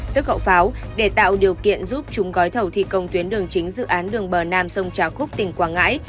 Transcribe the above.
tức khẩu pháo để tạo điều kiện giúp chúng gói thầu thi công tuyến đường chính dự án đường bờ nam sông trà khúc tỉnh quảng ngãi